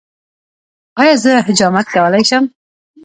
ایا زه حجامت کولی شم؟